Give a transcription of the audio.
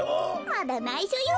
まだないしょよ。